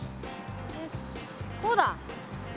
よしこうだ。